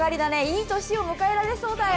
いい年を迎えられそうだよ！